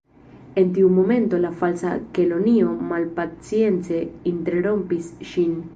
En tiu momento la Falsa Kelonio malpacience interrompis ŝin.